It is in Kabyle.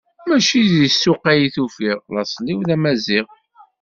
Mačči di ssuq ay t-ufiɣ, laṣel-iw d amaziɣ.